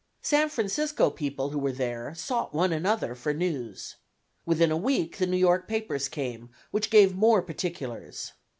San Francisco people who were there sought one another for news. Within a week the New York papers came, which gave more particulars.